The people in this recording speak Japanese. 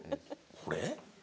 これ？